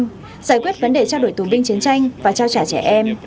giải quyết vấn đề trao đổi tù binh chiến tranh và trao trả trẻ em